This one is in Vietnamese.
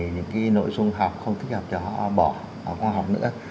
những cái nội dung học không thích hợp cho họ bỏ họ không học nữa